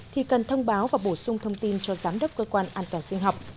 thì cần thông báo và bổ sung thông tin cho giám đốc cơ quan an toàn sinh học